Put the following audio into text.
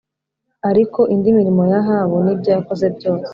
Ariko indi mirimo ya Ahabu n’ibyo yakoze byose